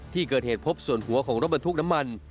ที่เกิดเหตุพบส่วนหัวของรถบรรทุกน้ำมัน